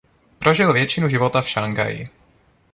Prožil většinu života v Šanghaji.